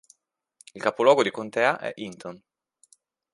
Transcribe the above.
Il capoluogo di contea è Hinton.